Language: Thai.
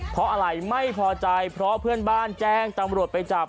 เพราะอะไรไม่พอใจเพราะเพื่อนบ้านแจ้งตำรวจไปจับ